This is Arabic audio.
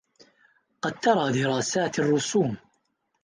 قد ترى دارسات الرسوم